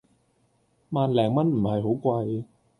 萬零蚊唔係好貴